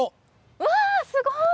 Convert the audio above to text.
うわすごい！